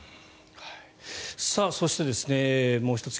そして、もう１つ